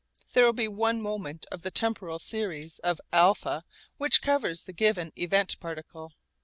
There will be one moment of the temporal series of α which covers the given event particle.